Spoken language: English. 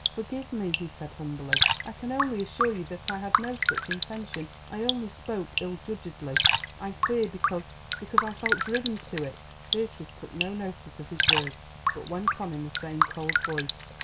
"Forgive me," he said humbly. "I can only assure you that I had no such intention. I only spoke—ill judgedly, I fear—because—because I felt driven to it." Beatrice took no notice of his words, but went on in the same cold voice.